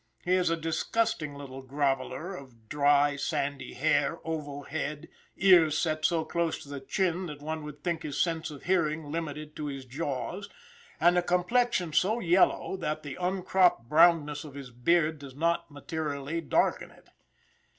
He is a disgusting little groveler of dry, sandy hair, oval head, ears set so close to the chin that one would think his sense of hearing limited to his jaws, and a complexion so yellow that the uncropped brownness of his beard does not materially darken it.